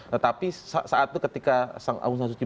tetapi saat itu ketika aung san suu kyi